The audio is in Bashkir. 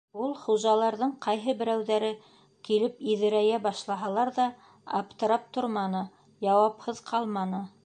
Ул, хужаларҙың ҡайһы берәүҙәре килеп иҙерәйә башлаһалар ҙа, аптырап торманы, яуапһыҙ ҡалманы.